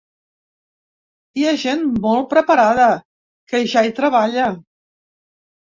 Hi ha gent molt preparada que ja hi treballa.